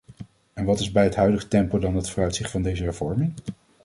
En wat is bij het huidige tempo dan het vooruitzicht van deze hervorming?